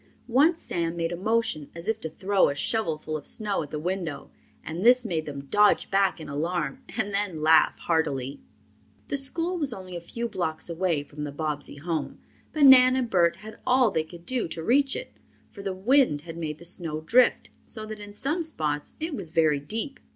Once Sam made a motion as if to throw a shovelful of snow at the window, and this made them dodge back in alarm and then laugh heartily. The school was only a few blocks away from the Bobbsey home, but Nan and Bert had all they could do to reach it, for the wind had made the snow drift, so that in some spots it was very deep.